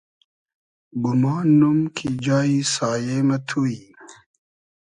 گومان نوم کی جایی سایې مۂ تو یی